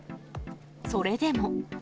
それでも。